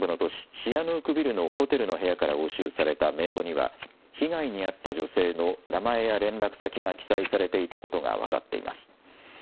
シアヌークビルのホテルの部屋から押収された名簿には、被害に遭った女性の名前や連絡先が記載されていたことが分かっています。